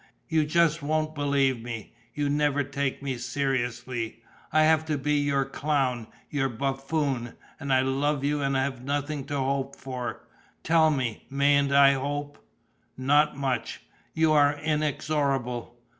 "You just won't believe me. You never take me seriously. I have to be your clown, your buffoon. And I love you and have nothing to hope for. Tell me, mayn't I hope?" "Not much." "You are inexorable